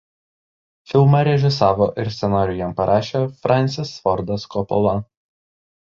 Filmą režisavo ir scenarijų jam parašė Fransis Fordas Kopola.